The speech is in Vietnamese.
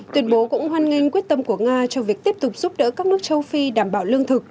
tuyên bố cũng hoan nghênh quyết tâm của nga cho việc tiếp tục giúp đỡ các nước châu phi đảm bảo lương thực